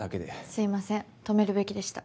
すいません止めるべきでした。